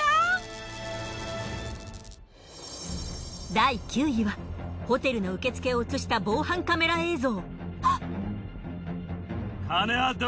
第９位はホテルの受付を映した防犯カメラ映像。